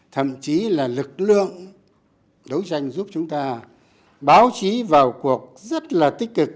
thậm chí là lực lượng đấu tranh giúp chúng ta báo chí vào cuộc rất là tích cực